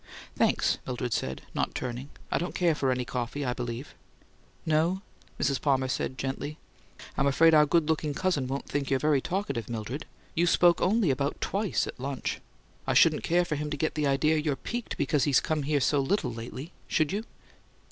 "Thanks," Mildred said, not turning, "I don't care for any coffee, I believe." "No?" Mrs. Palmer said, gently. "I'm afraid our good looking cousin won't think you're very talkative, Mildred. You spoke only about twice at lunch. I shouldn't care for him to get the idea you're piqued because he's come here so little lately, should you?"